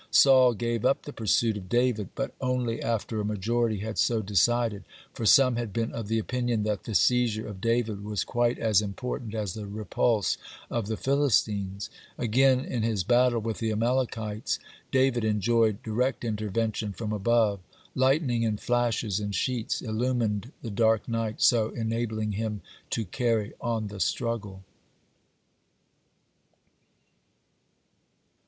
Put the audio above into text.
Saul gave up the pursuit of David, but only after a majority had so decided, for some had been of the opinion that the seizure of David was quite as important as the repulse of the Philistines. (49) Again, in his battle with the Amalekites, David enjoyed direct intervention from above. Lightning in flashes and sheets illumined the dark night, so enabling him to carry on the struggle.